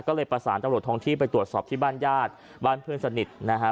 ก็เลยภาษาตำรวจทองชีพไปตรวจสอบที่บ้านญาติบ้านพื้นสนิทนะคะ